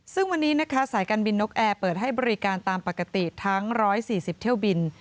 ซึ่งวันนี้นะคะสายการบินนกแอร์เปิดให้บริการตามปกติทั้ง๑๔๐เที่ยวบิน